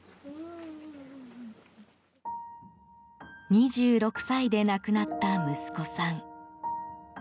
２６歳で亡くなった息子さん。